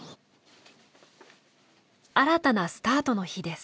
新たなスタートの日です。